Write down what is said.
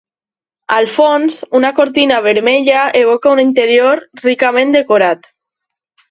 Al fons, una cortina vermella evoca un interior ricament decorat.